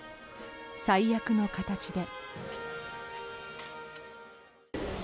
最悪の形で。